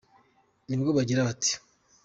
nibwo bagira bati